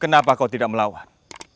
kenapa kau tidak melawan